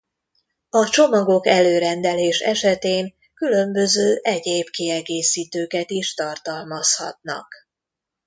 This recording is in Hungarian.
A csomagok előrendelés esetén különböző egyéb kiegészítőket is tartalmazhatnak.